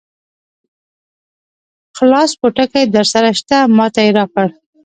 خلاص پوټکی درسره شته؟ ما ته یې راکړ.